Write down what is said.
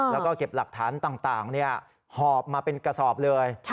แล้วก็เก็บหลักฐานต่างหอบมาเป็นกระสอบเลย